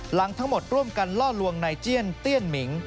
หลังทั้งหมดร่วมกันล่อลวงนายเจียนเตี้ยนหมิง